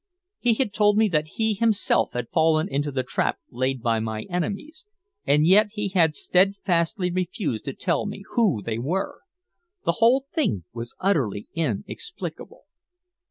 He had told me that he himself had fallen into the trap laid by my enemies, and yet he had steadfastly refused to tell me who they were! The whole thing was utterly inexplicable.